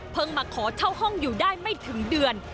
มาขอเช่าห้องอยู่ได้ไม่ถึงเดือน